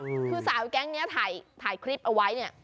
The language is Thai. คือสาวแก๊งเนี้ยถ่ายถ่ายคลิปเอาไว้เนี่ย